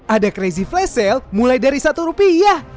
ada crazy flash sale mulai dari satu rupiah